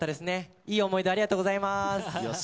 いい思い出ありがとうございます。